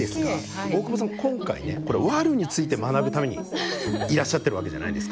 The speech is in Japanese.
今回ねワルについて学ぶためにいらっしゃってるわけじゃないですか。